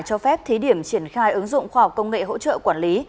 cho phép thí điểm triển khai ứng dụng khoa học công nghệ hỗ trợ quản lý